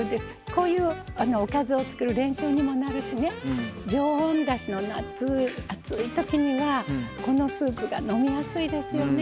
こういうおかずを作る練習にもなるしね常温だしの、夏、暑いときにはこのスープが飲みやすいですよね。